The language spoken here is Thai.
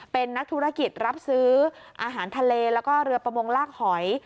เป็นนักธุรกิจรับซื้ออาหารทะเลแล้วก็เรือประมงลากหอย